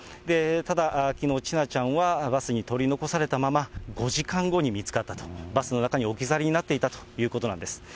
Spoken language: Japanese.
ただ、きのう、千奈ちゃんはバスに取り残されたまま、５時間後に見つかったと、バスの中に置き去りになっていたということなんです。